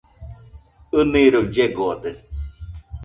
ɨniroi llegode.